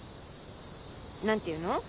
何ていうの？